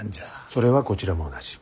それはこちらも同じ。